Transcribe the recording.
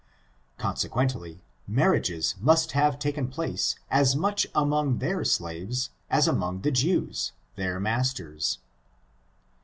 Consequently, marriages must have taken place as much among their slaves as among the Jews, their masters.